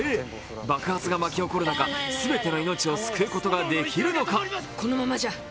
爆発が巻き起こる中、すべての命を救うことができるのか。